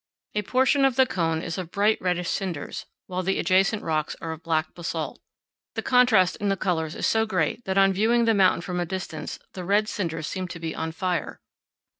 A portion of the cone is of bright reddish cinders, while the adjacent rocks are of black basalt. The contrast in the colors is so great that on viewing the mountain from a distance the red cinders seem to be on fire.